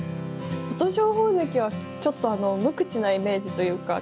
琴勝峰関はちょっと無口なイメージというか。